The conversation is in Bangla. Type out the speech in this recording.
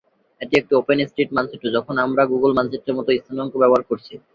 এটি একটি ওপেন স্ট্রিট মানচিত্র, যখন আমরা গুগল মানচিত্রের মতো স্থানাঙ্ক ব্যবহার করছি।